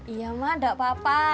iya mak ndak apa apa